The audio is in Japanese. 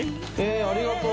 ありがとう。